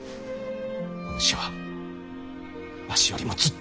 お主はわしよりもずっと。